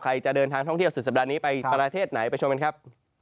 จะเดินทางท่องเที่ยวสุดสัปดาห์นี้ไปประเทศไหนไปชมกันครับ